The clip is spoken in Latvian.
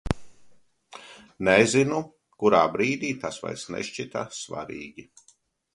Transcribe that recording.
Nezinu, kurā brīdī tas vairs nešķita svarīgi.